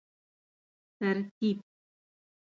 ترتیب